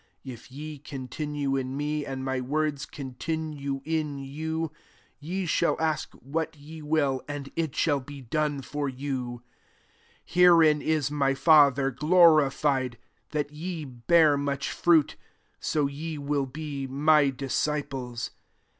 7 If ye con tinue in me, and my words con tinue in you, ye shall ask what ye will* and it shall be done for 8 " Herein is my Father glo rified, that ye bear much fruit : so ye will be my disciples.